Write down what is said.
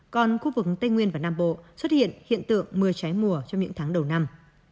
còn khu vực tây nguyên và nam bộ xuất hiện hiện tượng mưa trái mùa trong những tháng đầu năm